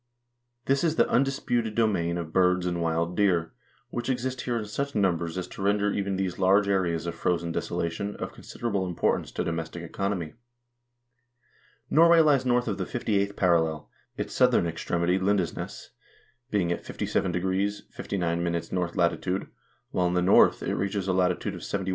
This is the undis puted domain of birds and wild deer, which exist here in such num bers as to render even these large areas of frozen desolation of con siderable importance to domestic economy. Norway lies north of the 58th parallel; its southern extremity, Lindesnes, being at 57° 59' N. L., while in the north it reaches a lati tude of 71° 11'.